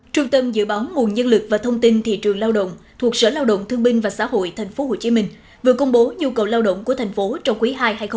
trung tâm dự báo nguồn nhân lực và thông tin thị trường lao động thuộc sở lao động thương binh và xã hội tp hcm vừa công bố nhu cầu lao động của thành phố trong quý ii hai nghìn hai mươi bốn